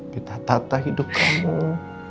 kita tatah hidup kamu